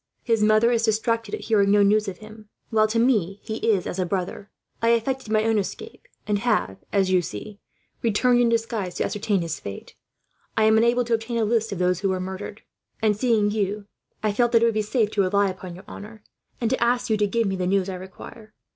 His mother is distracted at hearing no news of him, while to me he is as a brother. "I effected my own escape, and have, as you see, returned in disguise to ascertain his fate. I am unable to obtain a list of those who were murdered and, seeing you, I felt that it would be safe to rely upon your honour, and to ask you to give me the news I require.